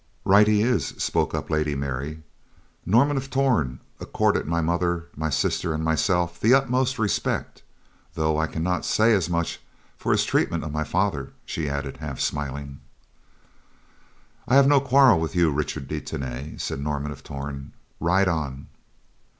"Right he is," spoke up Lady Mary. "Norman of Torn accorded my mother, my sister, and myself the utmost respect; though I cannot say as much for his treatment of my father," she added, half smiling. "I have no quarrel with you, Richard de Tany," said Norman of Torn. "Ride on."